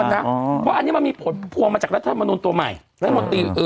เพราะว่าอันนี้มันมีผลพวงมาจากรัฐธรรมนุนตัวใหม่